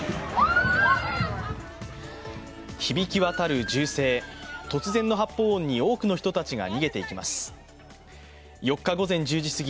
響き渡る銃声、突然の発砲音に多くの人たちが逃げていきます。